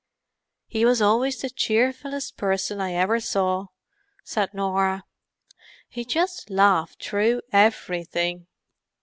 "He was always the cheerfullest person I ever saw," said Norah. "He just laughed through everything.